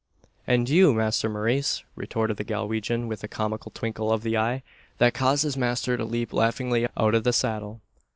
"And you, Masther Maurice!" retorted the Galwegian, with a comical twinkle of the eye, that caused his master to leap laughingly out of the saddle.